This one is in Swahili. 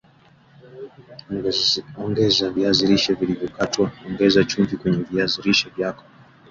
Ongeza viazi lishe vilivyokatwa Ongeza chumvi kenye viazi lishe vyako